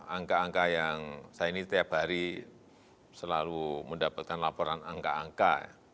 angka angka yang saya ini tiap hari selalu mendapatkan laporan angka angka